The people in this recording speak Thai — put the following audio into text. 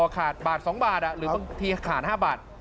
ขาดบาท๒บาทหรือบางทีขาด๕บาท